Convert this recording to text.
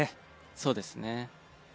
そうですね。